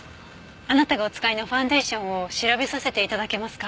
あなたがお使いのファンデーションを調べさせて頂けますか？